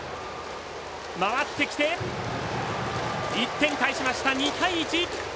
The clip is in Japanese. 回ってきて１点返しました、２対１！